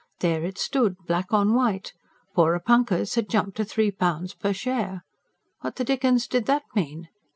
There it stood, black on white. "Porepunkahs" had jumped to three pounds per share! What the dickens did that mean?